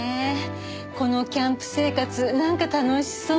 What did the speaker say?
このキャンプ生活なんか楽しそう。